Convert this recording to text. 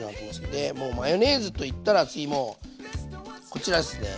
でマヨネーズといったら次もうこちらですね